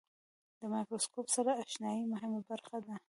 د مایکروسکوپ سره آشنایي مهمه برخه ده.